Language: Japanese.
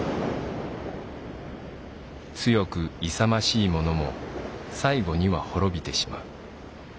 強くいさましい者も最後には滅びてしまう。